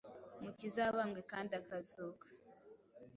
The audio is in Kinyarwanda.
Umukiza wabambwe kandi akazuka.